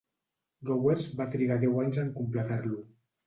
Gowers va trigar deu anys en completar-lo.